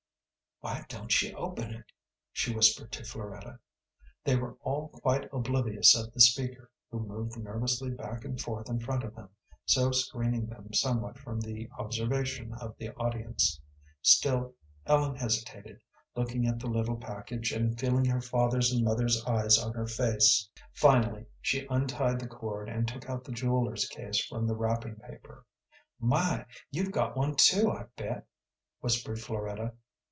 "Why don't she open it?" she whispered to Floretta. They were all quite oblivious of the speaker, who moved nervously back and forth in front of them, so screening them somewhat from the observation of the audience. Still Ellen hesitated, looking at the little package and feeling her father's and mother's eyes on her face. Finally she untied the cord and took out the jeweller's case from the wrapping paper. "My, you've got one too, I bet!" whispered Floretta.